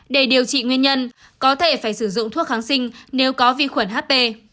để điều trị nguyên nhân có thể phải sử dụng thuốc kháng sinh nếu có vi khuẩn hp